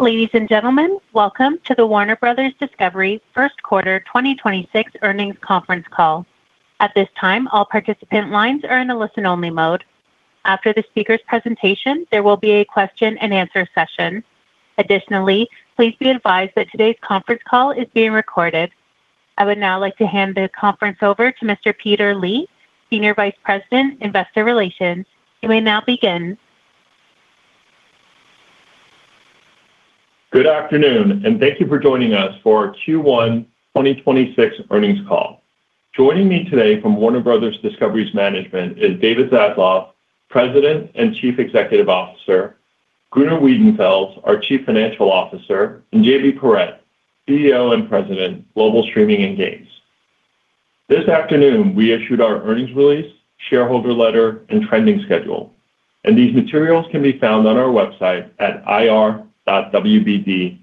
Ladies and gentlemen, welcome to the Warner Bros. Discovery first quarter 2026 earnings conference call. At this time, all participant lines are in a listen-only mode. After the speaker's presentation, there will be a question-and-answer session. Additionally, please be advised that today's conference call is being recorded. I would now like to hand the conference over to Mr. Peter Lee, Senior Vice President, Investor Relations. You may now begin. Good afternoon, and thank you for joining us for our Q1 2026 earnings call. Joining me today from Warner Bros. Discovery's management is David Zaslav, President and Chief Executive Officer, Gunnar Wiedenfels, our Chief Financial Officer, and J.B. Perrette, CEO and President, Global Streaming and Games. This afternoon, we issued our earnings release, shareholder letter, and trending schedule, and these materials can be found on our website at ir.wbd.com. Today's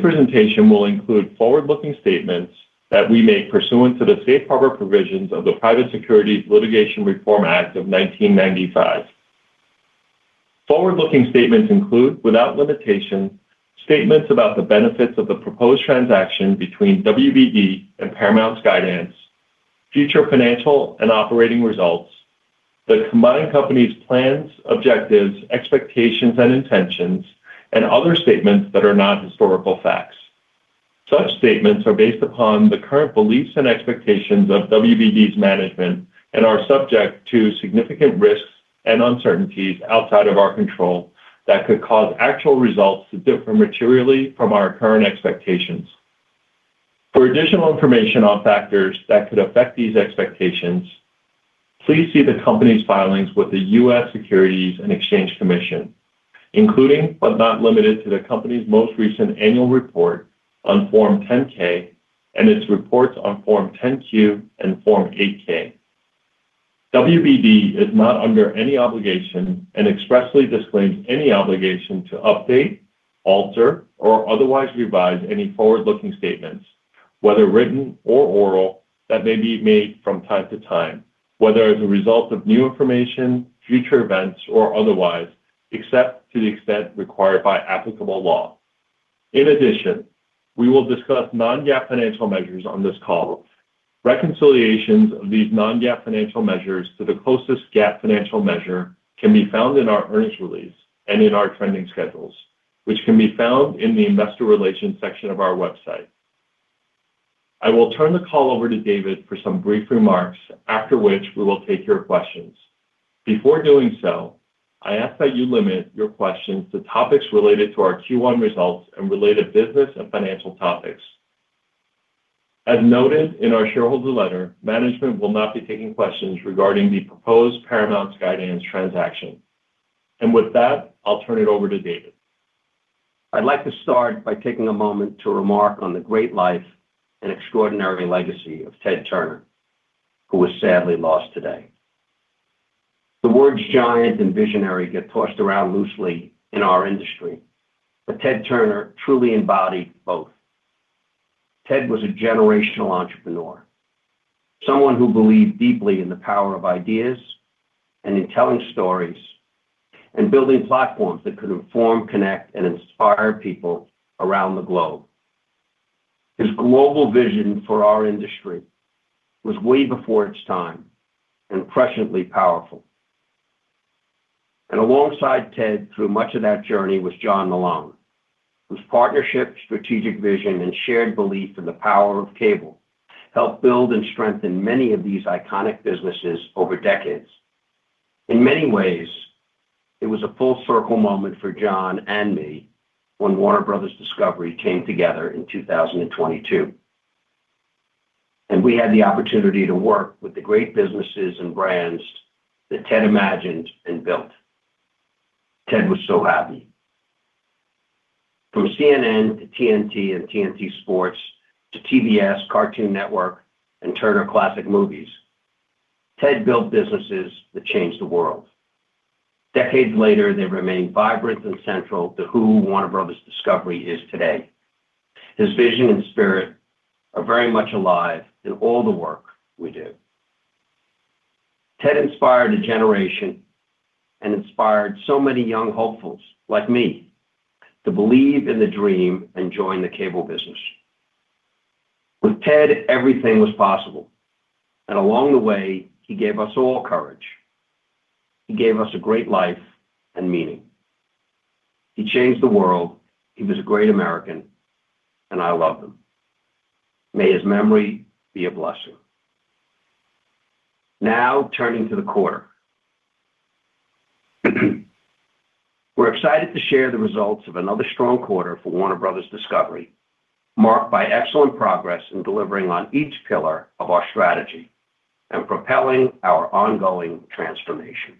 presentation will include forward-looking statements that we make pursuant to the Safe Harbor provisions of the Private Securities Litigation Reform Act of 1995. Forward-looking statements include, without limitation, statements about the benefits of the proposed transaction between WBD and Paramount guidance, future financial and operating results, the combined company's plans, objectives, expectations and intentions, and other statements that are not historical facts. Such statements are based upon the current beliefs and expectations of WBD's management and are subject to significant risks and uncertainties outside of our control that could cause actual results to differ materially from our current expectations. For additional information on factors that could affect these expectations, please see the company's filings with the U.S. Securities and Exchange Commission, including, but not limited to, the company's most recent annual report on Form 10-K and its reports on Form 10-Q and Form 8-K. WBD is not under any obligation, and expressly disclaims any obligation, to update, alter, or otherwise revise any forward-looking statements, whether written or oral, that may be made from time to time, whether as a result of new information, future events, or otherwise, except to the extent required by applicable law. In addition, we will discuss non-GAAP financial measures on this call. Reconciliations of these non-GAAP financial measures to the closest GAAP financial measure can be found in our earnings release and in our trending schedules, which can be found in the Investor Relations section of our website. I will turn the call over to David for some brief remarks, after which we will take your questions. Before doing so, I ask that you limit your questions to topics related to our Q1 results and related business and financial topics. As noted in our shareholder letter, management will not be taking questions regarding the proposed Paramount Skydance transaction. With that, I'll turn it over to David. I'd like to start by taking a moment to remark on the great life and extraordinary legacy of Ted Turner, who was sadly lost today. The words giant and visionary get tossed around loosely in our industry, but Ted Turner truly embodied both. Ted was a generational entrepreneur, someone who believed deeply in the power of ideas and in telling stories and building platforms that could inform, connect and inspire people around the globe. His global vision for our industry was way before its time and presciently powerful. Alongside Ted through much of that journey was John Malone, whose partnership, strategic vision, and shared belief in the power of cable helped build and strengthen many of these iconic businesses over decades. In many ways, it was a full circle moment for John and me when Warner Bros. Discovery came together in 2022, and we had the opportunity to work with the great businesses and brands that Ted imagined and built. Ted was so happy. From CNN to TNT and TNT Sports to TBS, Cartoon Network, and Turner Classic Movies, Ted built businesses that changed the world. Decades later, they remain vibrant and central to who Warner Bros. Discovery is today. His vision and spirit are very much alive in all the work we do. Ted inspired a generation and inspired so many young hopefuls like me to believe in the dream and join the cable business. With Ted, everything was possible, and along the way, he gave us all courage. He gave us a great life and meaning. He changed the world. He was a great American, and I loved him. May his memory be a blessing. Turning to the quarter. We're excited to share the results of another strong quarter for Warner Bros. Discovery, marked by excellent progress in delivering on each pillar of our strategy and propelling our ongoing transformation.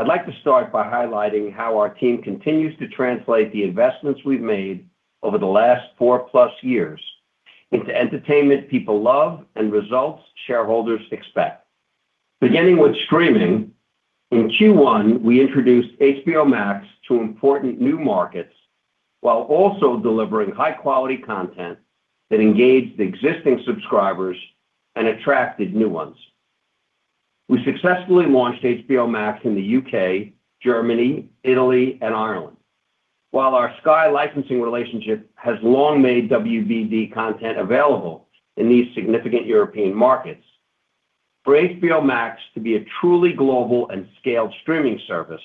I'd like to start by highlighting how our team continues to translate the investments we've made over the last four-plus years into entertainment people love and results shareholders expect. Beginning with streaming, in Q1, we introduced HBO Max to important new markets while also delivering high-quality content that engaged existing subscribers and attracted new ones. We successfully launched HBO Max in the U.K., Germany, Italy, and Ireland. While our Sky licensing relationship has long made WBD content available in these significant European markets, for HBO Max to be a truly global and scaled streaming service,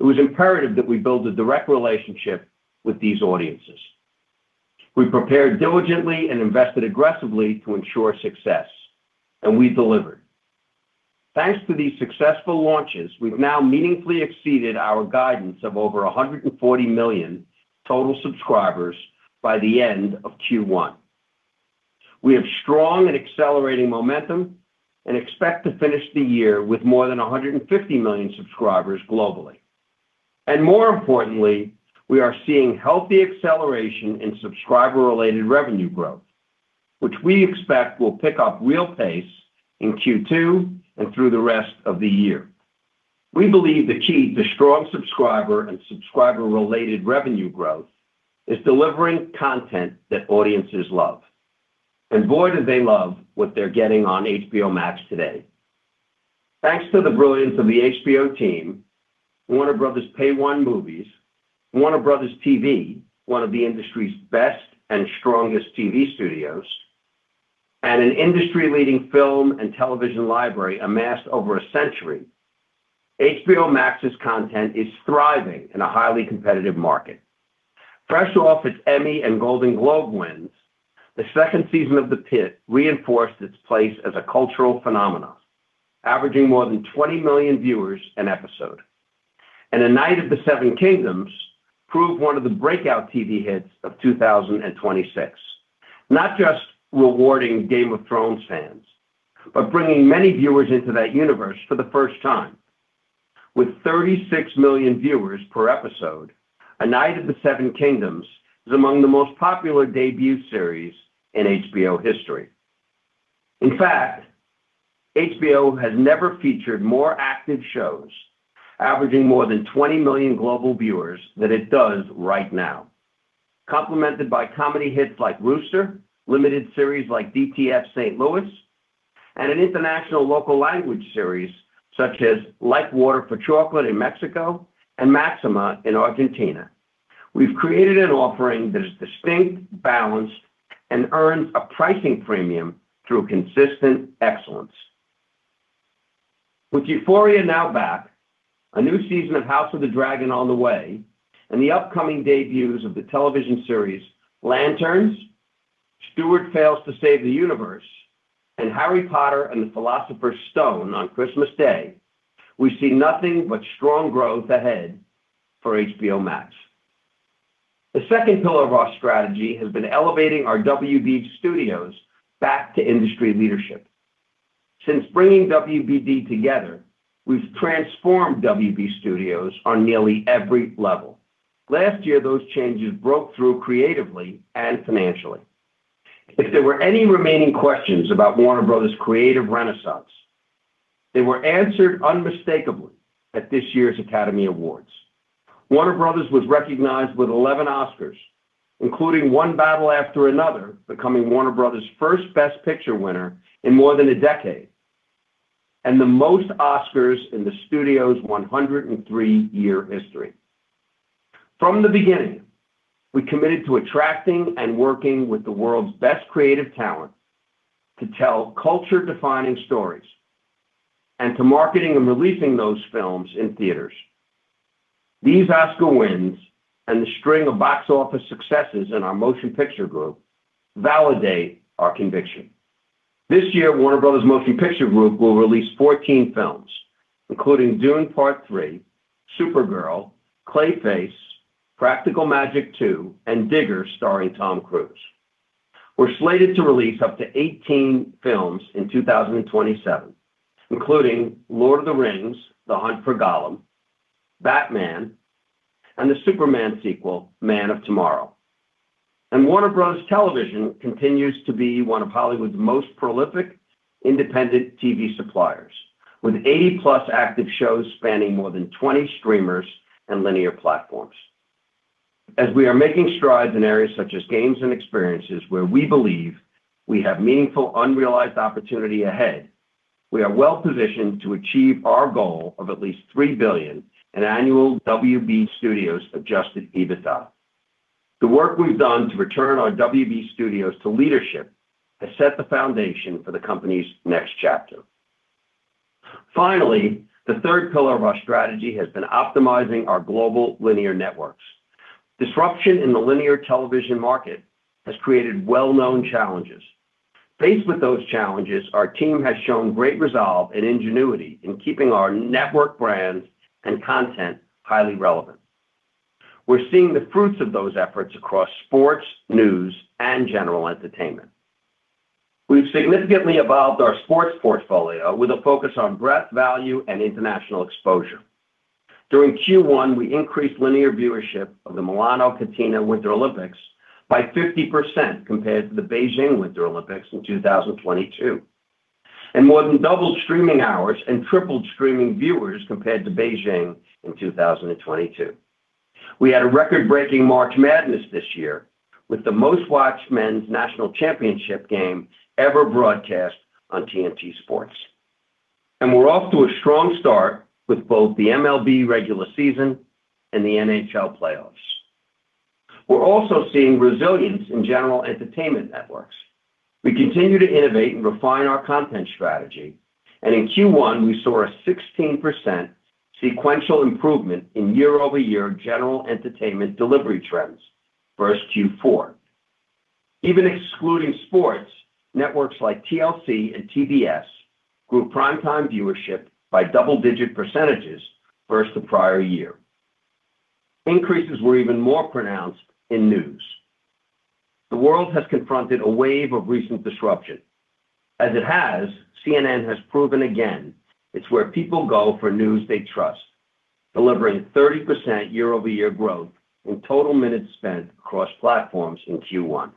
it was imperative that we build a direct relationship with these audiences. We prepared diligently and invested aggressively to ensure success, and we delivered. Thanks to these successful launches, we've now meaningfully exceeded our guidance of over 140 million total subscribers by the end of Q1. We have strong and accelerating momentum and expect to finish the year with more than 150 million subscribers globally. More importantly, we are seeing healthy acceleration in subscriber-related revenue growth, which we expect will pick up real pace in Q2 and through the rest of the year. We believe the key to strong subscriber and subscriber-related revenue growth is delivering content that audiences love, boy, do they love what they're getting on HBO Max today. Thanks to the brilliance of the HBO team, Warner Bros. Pay-1 movies, Warner Bros. TV, one of the industry's best and strongest TV studios, and an industry-leading film and television library amassed over a century, HBO Max's content is thriving in a highly competitive market. Fresh off its Emmy and Golden Globe wins, the second season of The Pitt reinforced its place as a cultural phenomenon, averaging more than 20 million viewers an episode. A Knight of the Seven Kingdoms proved one of the breakout TV hits of 2026, not just rewarding Game of Thrones fans, but bringing many viewers into that universe for the first time. With 36 million viewers per episode, A Knight of the Seven Kingdoms is among the most popular debut series in HBO history. In fact, HBO has never featured more active shows averaging more than 20 million global viewers than it does right now. Complemented by comedy hits like Rooster, limited series like DTF St. Louis, and an international local language series such as Like Water for Chocolate in Mexico and Maxima in Argentina. We've created an offering that is distinct, balanced, and earns a pricing premium through consistent excellence. With Euphoria now back, a new season of House of the Dragon on the way, and the upcoming debuts of the television series Lanterns, Stuart Fails to Save the Universe, and Harry Potter and the Philosopher's Stone on Christmas Day, we see nothing but strong growth ahead for HBO Max. The second pillar of our strategy has been elevating our WB Studios back to industry leadership. Since bringing WBD together, we've transformed WB Studios on nearly every level. Last year, those changes broke through creatively and financially. If there were any remaining questions about Warner Bros.' creative renaissance, they were answered unmistakably at this year's Academy Awards. Warner Bros. was recognized with 11 Oscars, including One Battle After Another, becoming Warner Bros.' first Best Picture winner in more than a decade, and the most Oscars in the studio's 103-year history. From the beginning, we committed to attracting and working with the world's best creative talent to tell culture-defining stories and to marketing and releasing those films in theaters. These Oscar wins and the string of box office successes in our Motion Picture Group validate our conviction. This year, Warner Bros. Motion Picture Group will release 14 films, including Dune: Part Three, Supergirl, Clayface, Practical Magic 2, and Digger, starring Tom Cruise. We're slated to release up to 18 films in 2027, including The Lord of the Rings: The Hunt for Gollum, Batman, and the Superman sequel, Man of Tomorrow. Warner Bros. Television continues to be one of Hollywood's most prolific independent TV suppliers, with 80+ active shows spanning more than 20 streamers and linear platforms. As we are making strides in areas such as games and experiences where we believe we have meaningful unrealized opportunity ahead, we are well-positioned to achieve our goal of at least $3 billion in annual WB Studios adjusted EBITDA. The work we've done to return our WB Studios to leadership has set the foundation for the company's next chapter. Finally, the third pillar of our strategy has been optimizing our global linear networks. Disruption in the linear television market has created well-known challenges. Faced with those challenges, our team has shown great resolve and ingenuity in keeping our network brands and content highly relevant. We're seeing the fruits of those efforts across sports, news, and general entertainment. We've significantly evolved our sports portfolio with a focus on breadth, value, and international exposure. During Q1, we increased linear viewership of the Milano Cortina Winter Olympics by 50% compared to the Beijing Winter Olympics in 2022, and more than doubled streaming hours and tripled streaming viewers compared to Beijing in 2022. We had a record-breaking March Madness this year with the most-watched Men's National Championship game ever broadcast on TNT Sports. We're off to a strong start with both the MLB regular season and the NHL playoffs. We're also seeing resilience in general entertainment networks. We continue to innovate and refine our content strategy, and in Q1 we saw a 16% sequential improvement in year-over-year general entertainment delivery trends versus Q4. Even excluding sports, networks like TLC and TBS grew primetime viewership by double-digit percentages versus the prior year. Increases were even more pronounced in news. The world has confronted a wave of recent disruption. As it has, CNN has proven again it's where people go for news they trust, delivering 30% year-over-year growth in total minutes spent across platforms in Q1.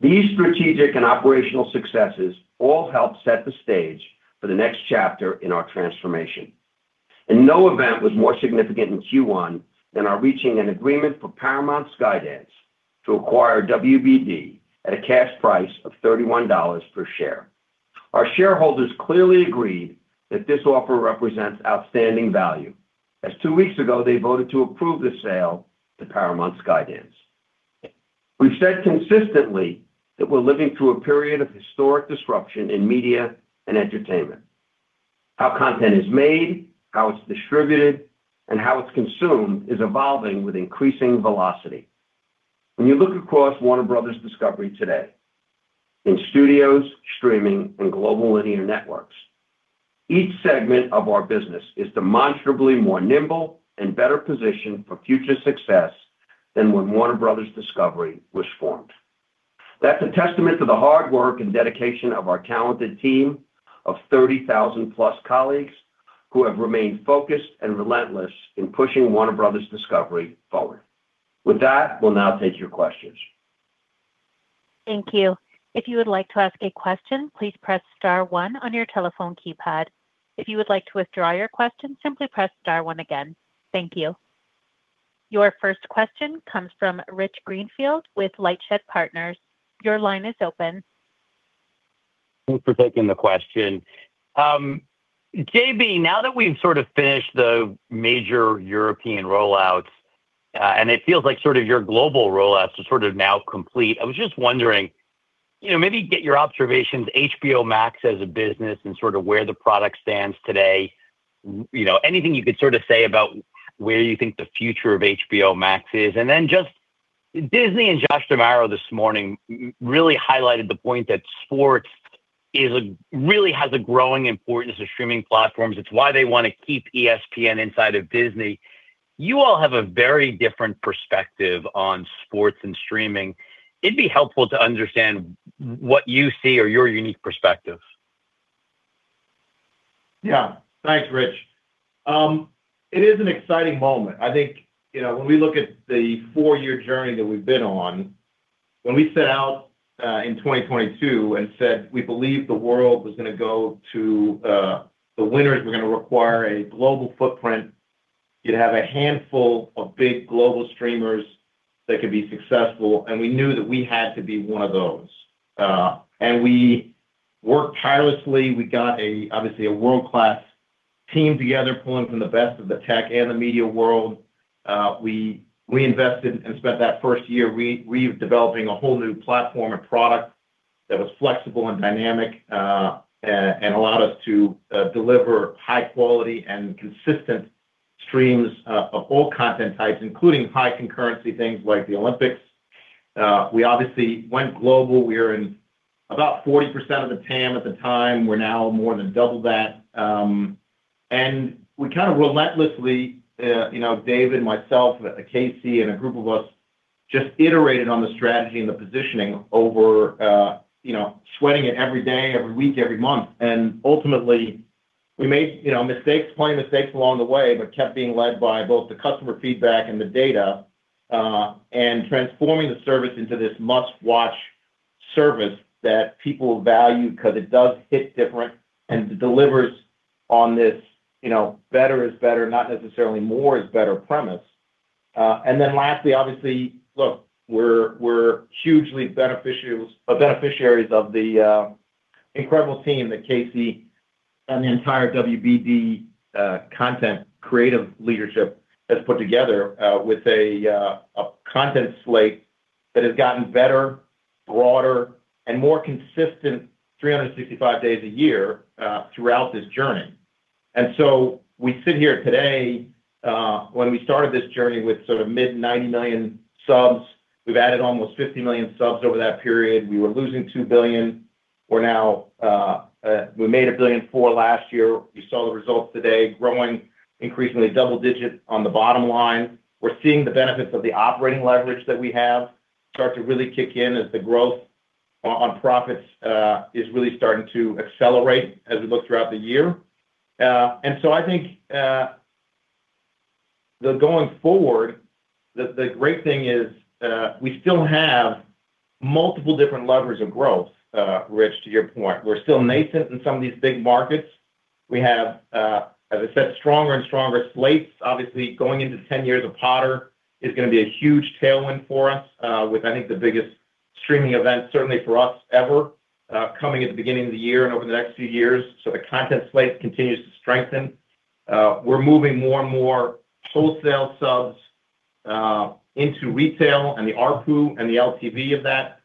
These strategic and operational successes all help set the stage for the next chapter in our transformation. No event was more significant in Q1 than our reaching an agreement for Paramount Skydance to acquire WBD at a cash price of $31 per share. Our shareholders clearly agreed that this offer represents outstanding value, as two weeks ago they voted to approve the sale to Paramount Skydance. We've said consistently that we're living through a period of historic disruption in media and entertainment. How content is made, how it's distributed, and how it's consumed is evolving with increasing velocity. When you look across Warner Bros. Discovery today, in studios, streaming, and global linear networks, each segment of our business is demonstrably more nimble and better positioned for future success than when Warner Bros. Discovery was formed. That's a testament to the hard work and dedication of our talented team of 30,000+ colleagues who have remained focused and relentless in pushing Warner Bros. Discovery forward. With that, we'll now take your questions. Thank you. If you would like to ask a question, please press star one on your telephone keypad. If you would like to withdraw your question, simply press star one again. Thank you. Your first question comes from Rich Greenfield with LightShed Partners. Your line is open. Thanks for taking the question. J.B., now that we've sort of finished the major European rollouts, and it feels like sort of your global rollouts are sort of now complete, I was just wondering, you know, maybe get your observations, HBO Max as a business and sort of where the product stands today. You know, anything you could sort of say about where you think the future of HBO Max is? Just Disney and Josh D'Amaro this morning really highlighted the point that sports really has a growing importance to streaming platforms. It's why they want to keep ESPN inside of Disney. You all have a very different perspective on sports and streaming. It'd be helpful to understand what you see or your unique perspective. Yeah, thanks, Rich. It is an exciting moment. I think, you know, when we look at the four-year journey that we've been on, when we set out in 2022 and said we believe the world was gonna go to, the winners were gonna require a global footprint. You'd have a handful of big global streamers that could be successful, and we knew that we had to be one of those. We worked tirelessly. We got a, obviously, a world-class team together, pulling from the best of the tech and the media world. We invested and spent that first year re-developing a whole new platform and product that was flexible and dynamic and allowed us to deliver high quality and consistent streams of all content types, including high concurrency things like the Olympics. We obviously went global. We were in about 40% of the TAM at the time. We're now more than double that. We kind of relentlessly, David, myself, Casey, and a group of us just iterated on the strategy and the positioning over sweating it every day, every week, every month. Ultimately, we made mistakes, plenty of mistakes along the way, but kept being led by both the customer feedback and the data, and transforming the service into this must-watch service that people value because it does hit different and delivers on this better is better, not necessarily more is better premise. Lastly, obviously, look, we're hugely beneficiaries of the incredible team that Casey and the entire WBD content creative leadership has put together with a content slate that has gotten better, broader, and more consistent 365 days a year throughout this journey. We sit here today, when we started this journey with sort of mid 90 million subs, we've added almost 50 million subs over that period. We were losing $2 billion. We're now, we made $1.4 billion last year. You saw the results today, growing increasingly double digit on the bottom line. We're seeing the benefits of the operating leverage that we have start to really kick in as the growth on profits is really starting to accelerate as we look throughout the year. I think, going forward, the great thing is, we still have multiple different levers of growth, Rich, to your point. We're still nascent in some of these big markets. We have, as I said, stronger and stronger slates. Obviously, going into 10 years of Potter is going to be a huge tailwind for us, with, I think, the biggest streaming event, certainly for us, ever, coming at the beginning of the year and over the next few years. The content slate continues to strengthen. We're moving more and more wholesale subs into retail, and the ARPU and the LTV of that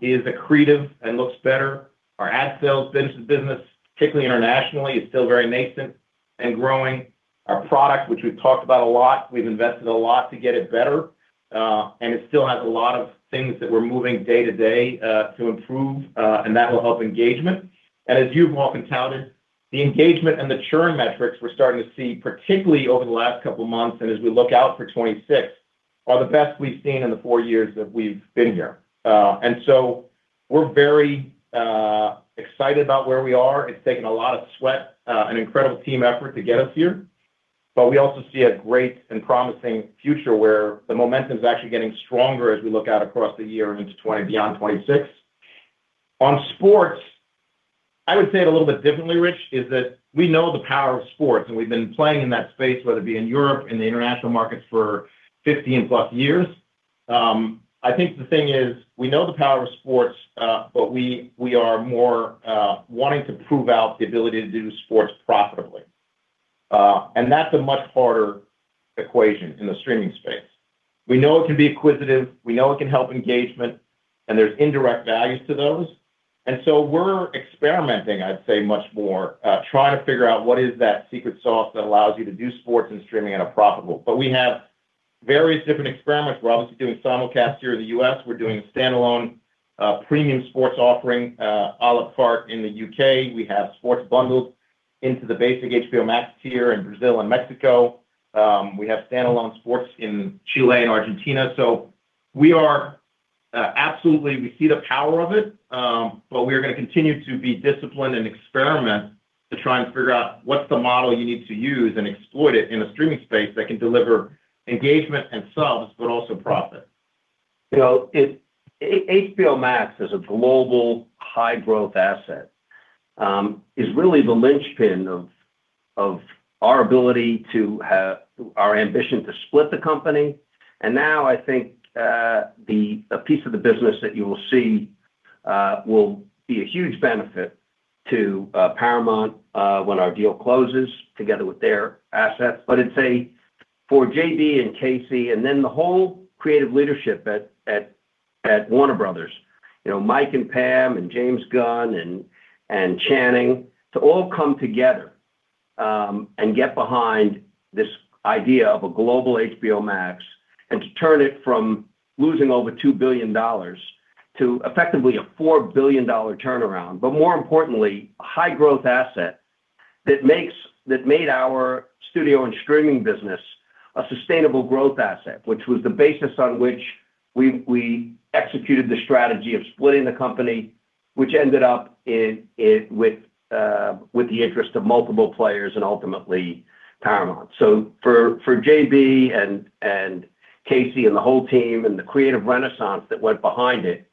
is accretive and looks better. Our ad sales business, particularly internationally, is still very nascent and growing. Our product, which we've talked about a lot, we've invested a lot to get it better, and it still has a lot of things that we're moving day to day to improve, and that will help engagement. As you've often touted, the engagement and the churn metrics we're starting to see, particularly over the last couple of months and as we look out for 2026, are the best we've seen in the four years that we've been here. We're very excited about where we are. It's taken a lot of sweat, an incredible team effort to get us here. We also see a great and promising future where the momentum's actually getting stronger as we look out across the year and beyond 2026. On sports, I would say it a little bit differently, Rich, is that we know the power of sports, and we've been playing in that space, whether it be in Europe, in the international markets, for 15+ years. I think the thing is, we know the power of sports, but we are more wanting to prove out the ability to do sports profitably. That's a much harder equation in the streaming space. We know it can be acquisitive, we know it can help engagement, and there's indirect values to those. We're experimenting, I'd say, much more, trying to figure out what is that secret sauce that allows you to do sports and streaming in a profitable. We have various different experiments. We're obviously doing simulcast here in the U.S. We're doing standalone, premium sports offering, a la carte in the U.K. We have sports bundled into the basic HBO Max tier in Brazil and Mexico. We have standalone sports in Chile and Argentina. We are, absolutely, we see the power of it, but we're gonna continue to be disciplined and experiment to try and figure out what's the model you need to use and exploit it in a streaming space that can deliver engagement and subs, but also profit. You know, HBO Max is a global high-growth asset, is really the linchpin of our ability to have our ambition to split the company. Now I think, a piece of the business that you will see, will be a huge benefit to Paramount, when our deal closes together with their assets. It's a, for J.B. and Casey, the whole creative leadership at Warner Bros., you know, Mike and Pam and James Gunn and Channing, to all come together, and get behind this idea of a global HBO Max, and to turn it from losing over $2 billion to effectively a $4 billion turnaround. More importantly, a high growth asset that made our studio and streaming business a sustainable growth asset, which was the basis on which we executed the strategy of splitting the company, which ended up in, with the interest of multiple players and ultimately Paramount. For J.B. and Casey and the whole team and the creative renaissance that went behind it,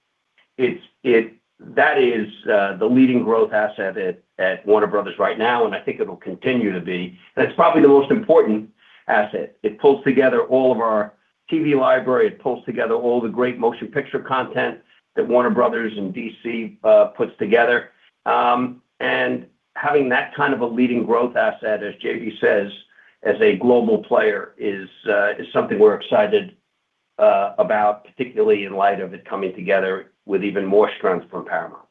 that is the leading growth asset at Warner Bros. right now, and I think it'll continue to be. That's probably the most important asset. It pulls together all of our TV library, it pulls together all the great motion picture content that Warner Bros. and DC puts together. Having that kind of a leading growth asset, as J.B. says, as a global player is something we're excited about, particularly in light of it coming together with even more strength from Paramount.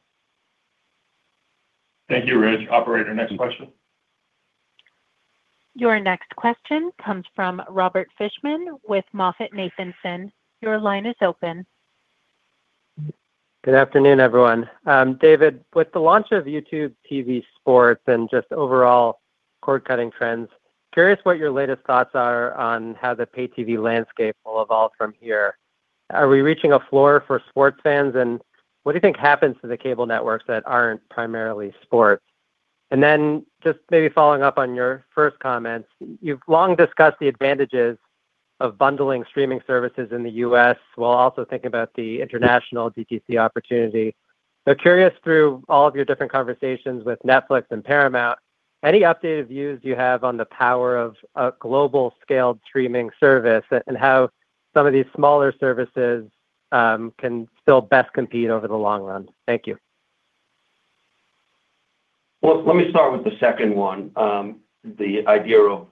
Thank you, Rich. Operator, next question. Your next question comes from Robert Fishman with MoffettNathanson. Your line is open. Good afternoon, everyone. David, with the launch of YouTube TV sports and just overall cord-cutting trends, curious what your latest thoughts are on how the pay-TV landscape will evolve from here. Are we reaching a floor for sports fans? What do you think happens to the cable networks that aren't primarily sports? Just maybe following up on your first comments, you've long discussed the advantages of bundling streaming services in the U.S., while also thinking about the international DTC opportunity. Curious through all of your different conversations with Netflix and Paramount, any updated views you have on the power of a global scaled streaming service and how some of these smaller services can still best compete over the long run? Thank you. Let me start with the second one, the idea of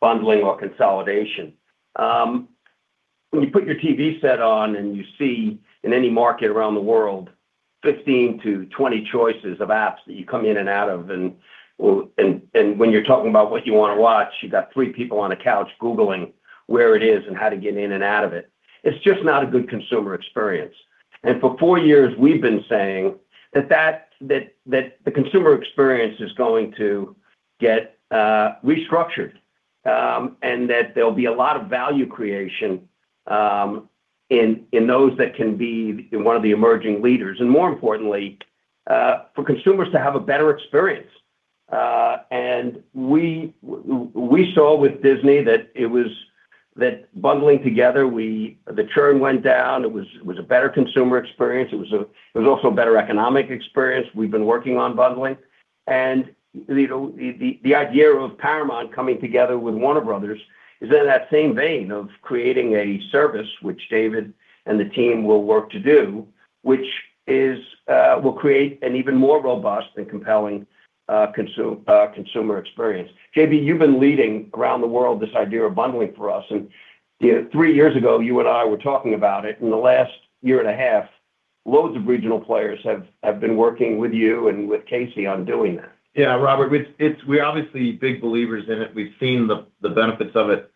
bundling or consolidation. When you put your TV set on and you see in any market around the world 15 to 20 choices of apps that you come in and out of, and when you're talking about what you wanna watch, you got three people on a couch googling where it is and how to get in and out of it's just not a good consumer experience. For four years, we've been saying that the consumer experience is going to get restructured, and that there'll be a lot of value creation, in those that can be one of the emerging leaders, and more importantly, for consumers to have a better experience. We saw with Disney that it was, that bundling together, the churn went down. It was a better consumer experience. It was also a better economic experience. We've been working on bundling. You know, the idea of Paramount coming together with Warner Bros. is in that same vein of creating a service which David and the team will work to do, which is, will create an even more robust and compelling consumer experience. J.B., you've been leading around the world this idea of bundling for us. You know, three years ago, you and I were talking about it, and the last year and a half, loads of regional players have been working with you and with Casey on doing that. Robert, we're obviously big believers in it. We've seen the benefits of it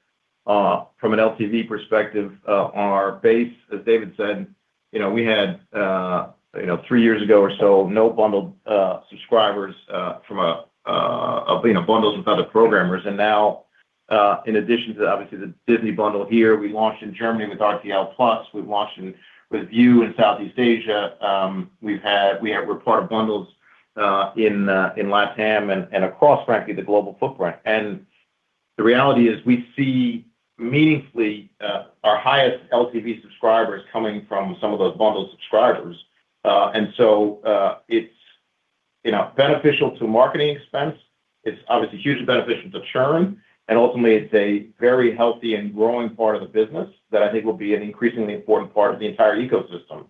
from an LTV perspective on our base. As David said, you know, we had, you know, three years ago or so, no bundled subscribers from, you know, bundles with other programmers. Now, in addition to obviously the Disney bundle here, we launched in Germany with RTL+. We've launched with Viu in Southeast Asia. We're part of bundles in LATAM and across frankly, the global footprint. The reality is we see meaningfully our highest LTV subscribers coming from some of those bundled subscribers. It's, you know, beneficial to marketing expense. It's obviously hugely beneficial to churn. Ultimately, it's a very healthy and growing part of the business that I think will be an increasingly important part of the entire ecosystem.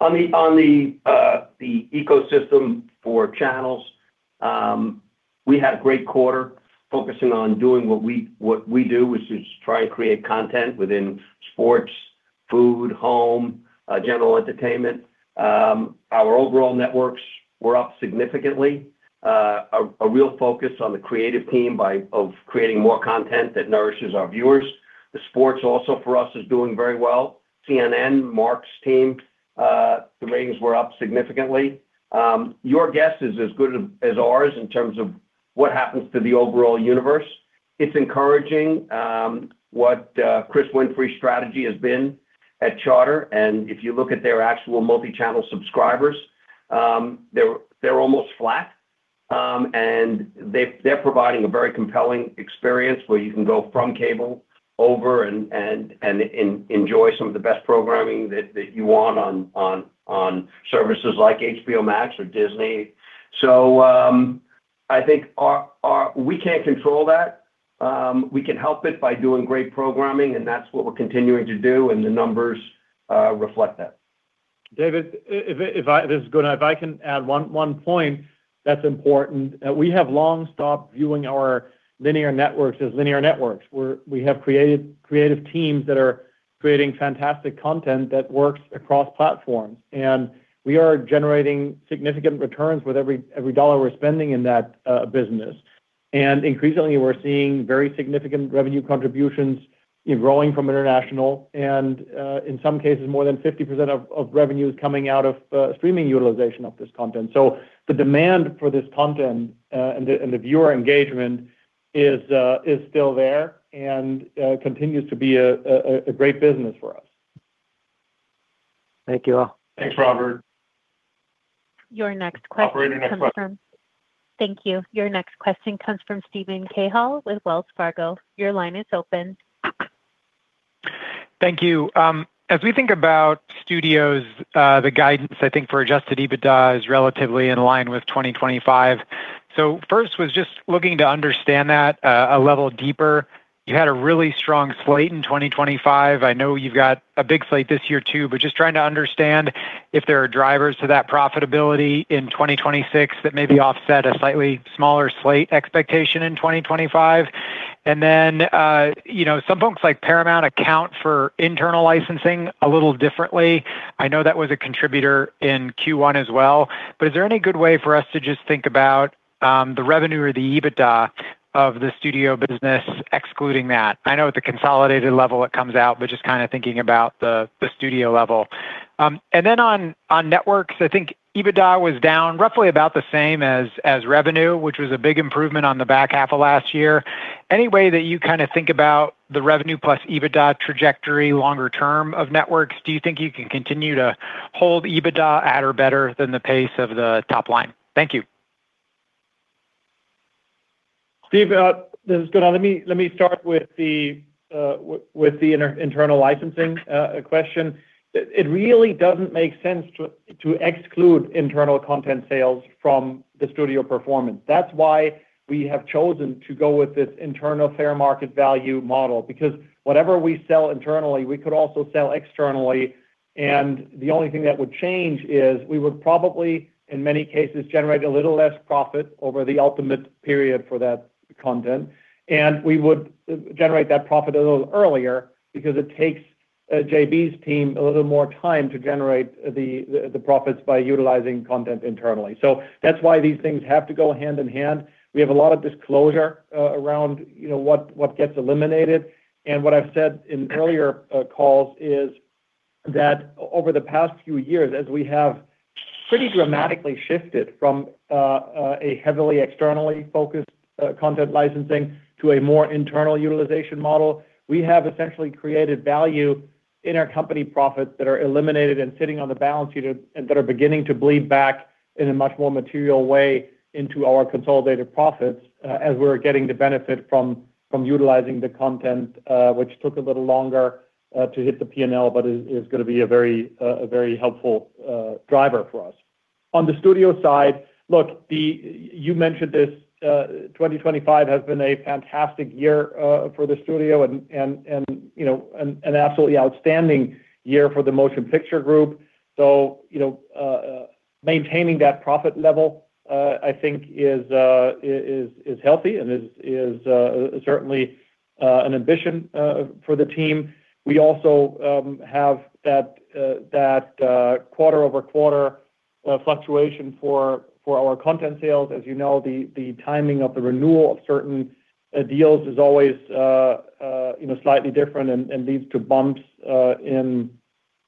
On the ecosystem for channels, we had a great quarter focusing on doing what we do, which is try and create content within sports, food, home, general entertainment. Our overall networks were up significantly. A real focus on the creative team of creating more content that nourishes our viewers. The sports also for us is doing very well. CNN, Mark's team, the ratings were up significantly. Your guess is as good as ours in terms of what happens to the overall universe. It's encouraging what Chris Winfrey's strategy has been at Charter. If you look at their actual multi-channel subscribers, they're almost flat. And they're providing a very compelling experience where you can go from cable over and enjoy some of the best programming that you want on services like HBO Max or Disney. I think we can't control that. We can help it by doing great programming, and that's what we're continuing to do, and the numbers reflect that. David, if I can add one point that's important. We have long stopped viewing our linear networks as linear networks. We have created creative teams that are creating fantastic content that works across platforms. We are generating significant returns with every dollar we're spending in that business. Increasingly, we're seeing very significant revenue contributions growing from international and in some cases more than 50% of revenue is coming out of streaming utilization of this content. The demand for this content and the viewer engagement is still there and continues to be a great business for us. Thank you all. Thanks, Robert. Your next question comes from. Operator, next question. Thank you. Your next question comes from Steven Cahall with Wells Fargo. Your line is open. Thank you. As we think about studios, the guidance I think for adjusted EBITDA is relatively in line with 2025. First was just looking to understand that a level deeper. You had a really strong slate in 2025. I know you've got a big slate this year too, just trying to understand if there are drivers to that profitability in 2026 that maybe offset a slightly smaller slate expectation in 2025. You know, some folks like Paramount account for internal licensing a little differently. I know that was a contributor in Q1 as well. Is there any good way for us to just think about the revenue or the EBITDA of the studio business excluding that? I know at the consolidated level it comes out, just kinda thinking about the studio level. On networks, I think EBITDA was down roughly about the same as revenue, which was a big improvement on the back half of last year. Any way that you kinda think about the revenue plus EBITDA trajectory longer term of networks? Do you think you can continue to hold EBITDA at or better than the pace of the top line? Thank you. Steven, let me, let me start with the internal licensing question. It really doesn't make sense to exclude internal content sales from the studio performance. That's why we have chosen to go with this internal fair market value model because whatever we sell internally, we could also sell externally. The only thing that would change is we would probably, in many cases, generate a little less profit over the ultimate period for that content. We would generate that profit a little earlier because it takes J.B.'s team a little more time to generate the profits by utilizing content internally. That's why these things have to go hand in hand. We have a lot of disclosure around, you know, what gets eliminated. What I've said in earlier calls is that over the past few years, as we have pretty dramatically shifted from a heavily externally focused content licensing to a more internal utilization model, we have essentially created value in our company profits that are eliminated and sitting on the balance sheet and that are beginning to bleed back in a much more material way into our consolidated profits as we're getting the benefit from utilizing the content, which took a little longer to hit the P&L, but is gonna be a very helpful driver for us. On the studio side, look, you mentioned this, 2025 has been a fantastic year for the studio and, you know, an absolutely outstanding year for the Motion Picture Group. You know, maintaining that profit level, I think is healthy and is certainly an ambition for the team. We also have that quarter-over-quarter fluctuation for our content sales. As you know, the timing of the renewal of certain deals is always, you know, slightly different and leads to bumps in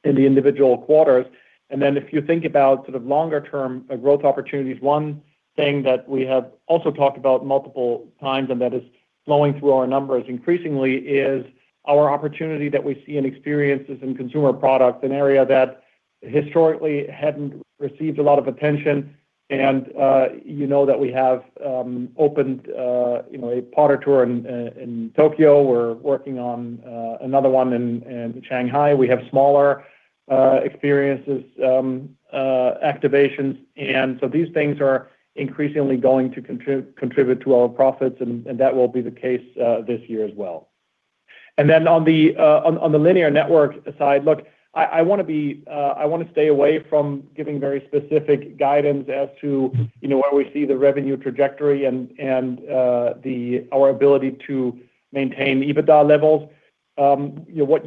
the individual quarters. If you think about sort of longer term growth opportunities, one thing that we have also talked about multiple times and that is flowing through our numbers increasingly is our opportunity that we see in experiences in consumer products, an area that historically hadn't received a lot of attention. You know that we have opened, you know, a Potter Tour in Tokyo. We're working on another one in Shanghai. We have smaller experiences, activations. These things are increasingly going to contribute to our profits, and that will be the case this year as well. On the linear network side, look, I wanna be, I wanna stay away from giving very specific guidance as to, you know, where we see the revenue trajectory and our ability to maintain EBITDA levels. You know, what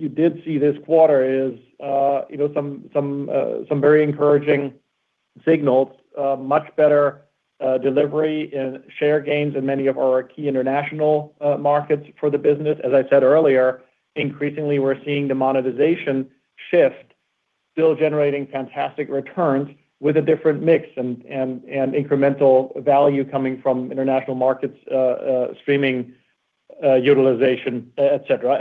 you did see this quarter is, you know, some very encouraging signals, much better delivery in share gains in many of our key international markets for the business. As I said earlier, increasingly, we're seeing the monetization shift, still generating fantastic returns with a different mix and incremental value coming from international markets, streaming, utilization, et cetera.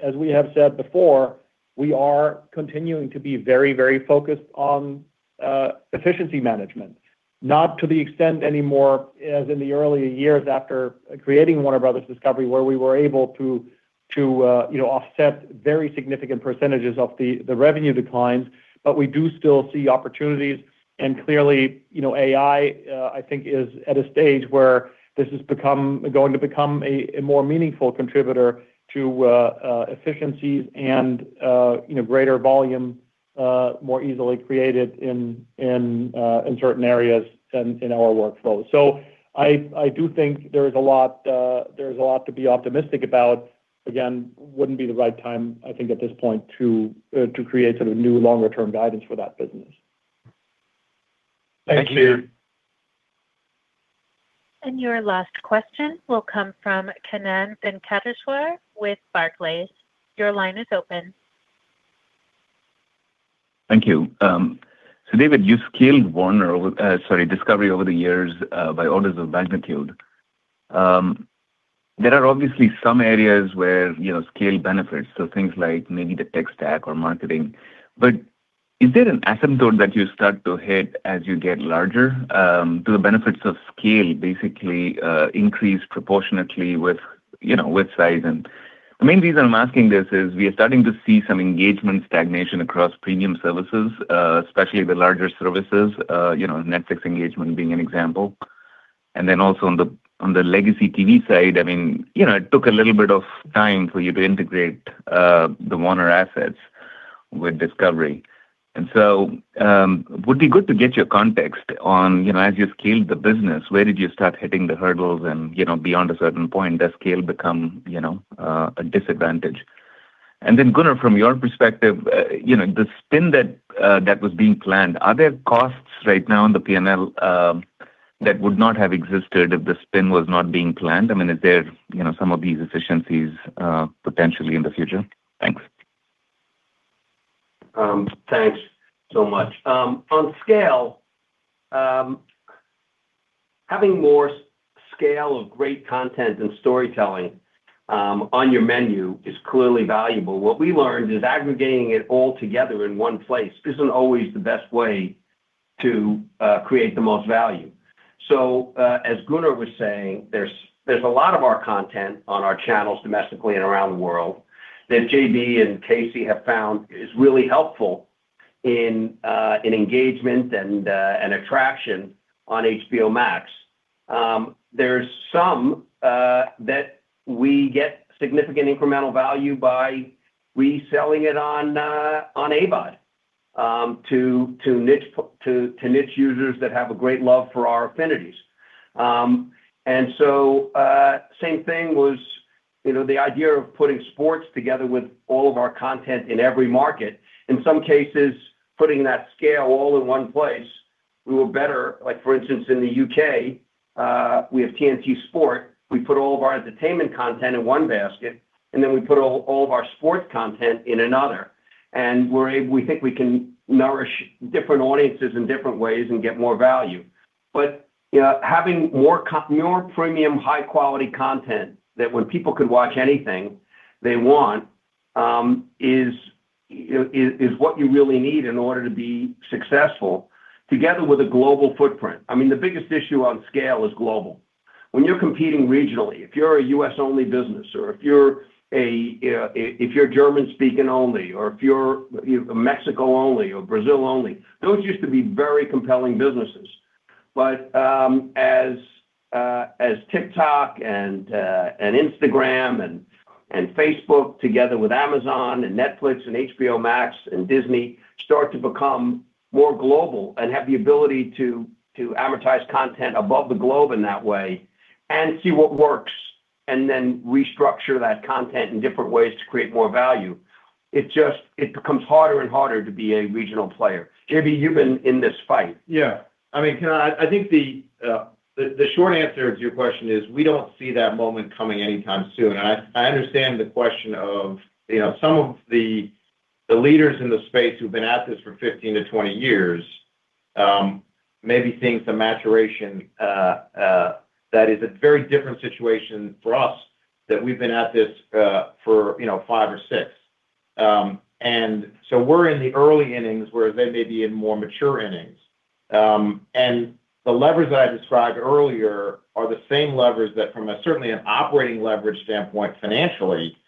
As we have said before, we are continuing to be very focused on efficiency management. Not to the extent anymore as in the earlier years after creating Warner Bros. Discovery, where we were able to, you know, offset very significant percentages of the revenue declines. We do still see opportunities. Clearly, you know, AI, I think, is at a stage where this is going to become a more meaningful contributor to efficiencies and, you know, greater volume, more easily created in certain areas in our workflows. I do think there's a lot to be optimistic about. Again, wouldn't be the right time, I think at this point to create sort of new longer-term guidance for that business. Thank you. Your last question will come from Kannan Venkateshwar with Barclays. Your line is open. Thank you. David, you scaled Discovery over the years by orders of magnitude. There are obviously some areas where, you know, scale benefits, things like maybe the tech stack or marketing. Is there an asymptote that you start to hit as you get larger? Do the benefits of scale basically increase proportionately with, you know, with size? The main reason I'm asking this is we are starting to see some engagement stagnation across premium services, especially the larger services, you know, Netflix engagement being an example. Also on the legacy TV side, I mean, you know, it took a little bit of time for you to integrate the Warner assets with Discovery. Would be good to get your context on, you know, as you scaled the business, where did you start hitting the hurdles? Beyond a certain point, does scale become, you know, a disadvantage? Gunnar, from your perspective, you know, the spin that was being planned, are there costs right now in the P&L that would not have existed if the spin was not being planned? I mean, is there, you know, some of these efficiencies potentially in the future? Thanks. Thanks much. On scale, having more scale of great content and storytelling on your menu is clearly valuable. What we learned is aggregating it all together in one place isn't always the best way to create the most value. As Gunnar was saying, there's a lot of our content on our channels domestically and around the world that J.B. and Casey have found is really helpful in engagement and attraction on HBO Max. There's some that we get significant incremental value by reselling it on AVOD, to niche users that have a great love for our affinities. Same thing was, you know, the idea of putting sports together with all of our content in every market. In some cases, putting that scale all in one place, we were better. Like, for instance, in the U.K., we have TNT Sports. We put all of our entertainment content in one basket, then we put all of our sports content in another. We think we can nourish different audiences in different ways and get more value. You know, having more premium, high quality content that when people can watch anything they want, is what you really need in order to be successful together with a global footprint. I mean, the biggest issue on scale is global. When you're competing regionally, if you're a U.S. only business or if you're German speaking only, or if you're Mexico only or Brazil only, those used to be very compelling businesses. As TikTok, and Instagram, and Facebook together with Amazon, and Netflix, and HBO Max, and Disney start to become more global and have the ability to advertise content above the globe in that way and see what works and then restructure that content in different ways to create more value, it becomes harder and harder to be a regional player. J.B., you've been in this fight. Yeah. I mean, I think the short answer to your question is we don't see that moment coming anytime soon. I understand the question of, you know, some of the leaders in the space who've been at this for 15 to 20 years, maybe seeing some maturation. That is a very different situation for us that we've been at this for, you know, five or six. We're in the early innings, where they may be in more mature innings. The levers that I described earlier are the same levers that from a certainly an operating leverage standpoint financially,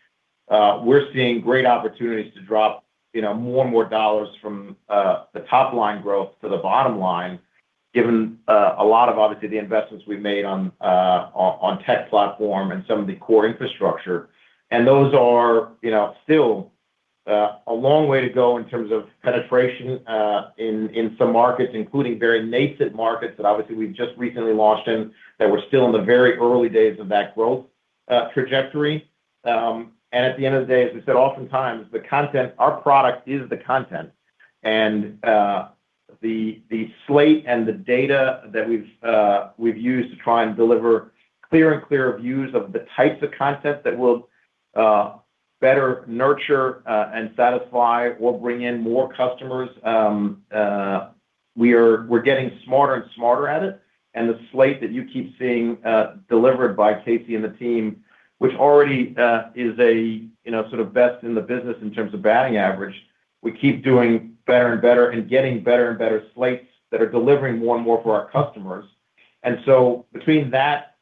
we're seeing great opportunities to drop, you know, more and more dollars from the top line growth to the bottom line, given a lot of obviously the investments we've made on tech platform and some of the core infrastructure. Those are, you know, still a long way to go in terms of penetration in some markets, including very nascent markets that obviously we've just recently launched in that we're still in the very early days of that growth trajectory. At the end of the day, as we said, oftentimes our product is the content, the slate and the data that we've used to try and deliver clearer and clearer views of the types of content that will better nurture and satisfy or bring in more customers, we're getting smarter and smarter at it. The slate that you keep seeing delivered by Casey and the team, which already is a, you know, sort of best in the business in terms of batting average, we keep doing better and better and getting better and better slates that are delivering more and more for our customers. Between that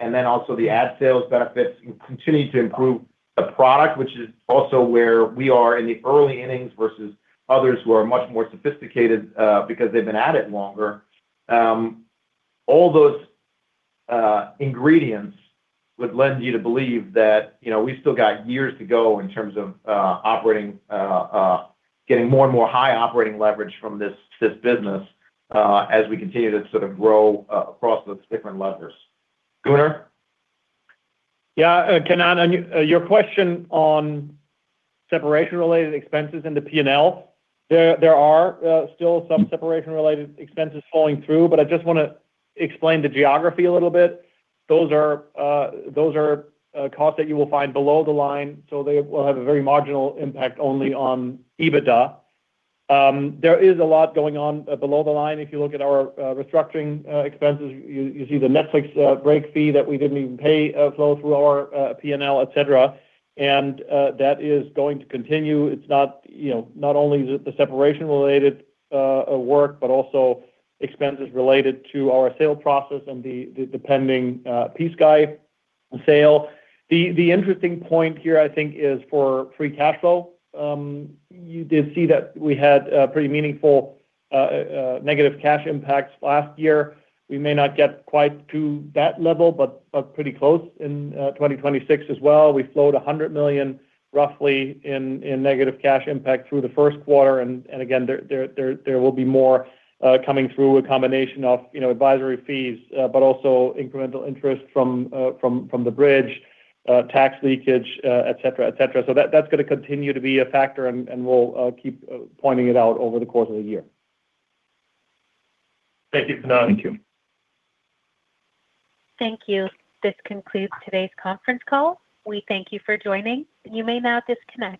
and then also the ad sales benefits continue to improve the product, which is also where we are in the early innings versus others who are much more sophisticated, because they've been at it longer. All those ingredients would lend you to believe that, you know, we still got years to go in terms of operating getting more and more high operating leverage from this business as we continue to sort of grow across those different levers. Gunnar. Yeah, Kannan, on your question on separation-related expenses in the P&L, there are still some separation-related expenses flowing through, but I just wanna explain the geography a little bit. Those are costs that you will find below the line, so they will have a very marginal impact only on EBITDA. There is a lot going on below the line. If you look at our restructuring expenses, you see the Netflix break fee that we didn't even pay flow through our P&L, et cetera. That is going to continue. It's not, you know, not only the separation-related work, but also expenses related to our sale process and the pending PSKY sale. The interesting point here, I think, is for free cash flow. You did see that we had pretty meaningful negative cash impacts last year. We may not get quite to that level, but pretty close in 2026 as well. We flowed $100 million roughly in negative cash impact through the first quarter. Again, there will be more coming through a combination of, you know, advisory fees, but also incremental interest from the bridge, tax leakage, et cetera, et cetera. That's gonna continue to be a factor, and we'll keep pointing it out over the course of the year. Thank you, Kannan. Thank you. Thank you. This concludes today's conference call. We thank you for joining. You may now disconnect.